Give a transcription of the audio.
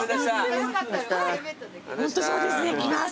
ホントそうですね来ます。